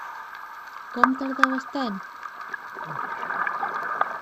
Com tardaves tant?